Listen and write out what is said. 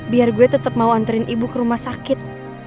biar gue tetep mau nganterin ibu ke rumah sakit